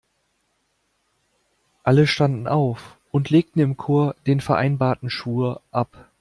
Alle standen auf und legten im Chor den vereinbarten Schwur ab.